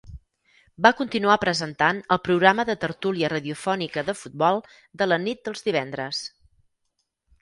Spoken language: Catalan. Va continuar presentant el programa de tertúlia radiofònica de futbol de la nit dels divendres.